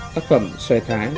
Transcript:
tác phẩm xòe thái